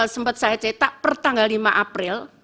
sempat saya cetak per tanggal lima april